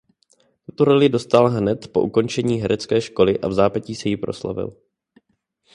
Tuto roli dostal hned po ukončení herecké školy a vzápětí se jí proslavil.